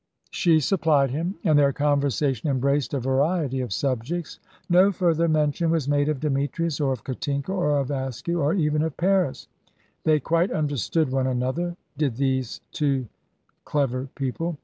She supplied him, and their conversation embraced a variety of subjects. No further mention was made of Demetrius, or of Katinka, or of Askew, or even of Paris. They quite understood one another, did these two clever people.